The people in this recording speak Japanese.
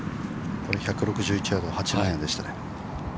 ◆これ、１６１ヤード、８番アイアンでしたね。